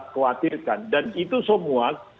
khawatirkan dan itu semua